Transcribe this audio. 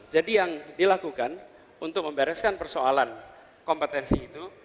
jadi yang dilakukan untuk membareskan persoalan kompetensi itu